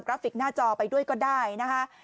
ฟิกหน้าจอไปด้วยก็ได้นะคะ